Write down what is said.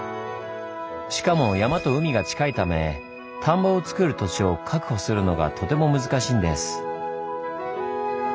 しかも山と海が近いため田んぼをつくる土地を確保するのがとても難しいんです。